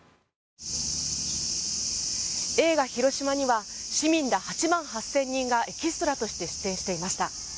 映画「ひろしま」には市民ら８万８０００人がエキストラとして出演していました。